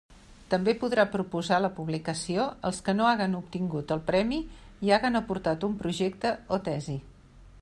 També podrà proposar la publicació als que no hagen obtingut el premi i hagen aportat un projecte o tesi.